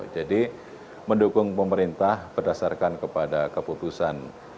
jadi mendukung pemerintah berdasarkan kepada keputusan